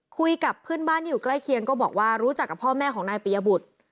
คุยกับเพื่อนบ้านที่อยู่ใกล้เคียงก็บอกว่ารู้จักกับพ่อแม่ของนายปิยบุตร